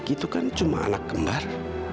itu kan cuma anak kembar